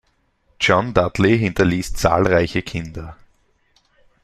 John Dudley hinterließ zahlreiche Kinder.